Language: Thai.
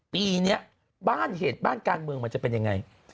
ปีนี้บ้านเหตุบ้านการเมืองมันจะเป็นยังไง